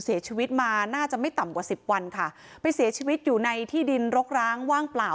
เสียชีวิตมาน่าจะไม่ต่ำกว่าสิบวันค่ะไปเสียชีวิตอยู่ในที่ดินรกร้างว่างเปล่า